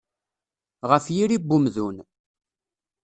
Ɣef yiri n umdun.